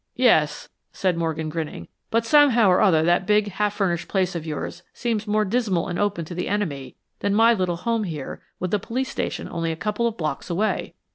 "Yes," said Morgan, grinning, "but somehow or other that big, half furnished place of yours seems more dismal and open to the enemy than my little home here with a police station only a couple of blocks away."